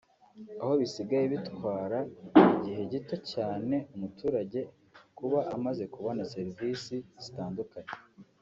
aho bisigaye bitwara igihe gito cyane umuturage kuba amaze kubona servisi zitandukanye